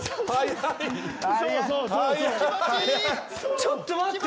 ちょっと待って。